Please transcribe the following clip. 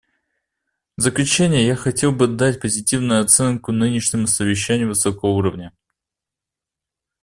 В заключение я хотел бы дать позитивную оценку нынешнему совещанию высокого уровня.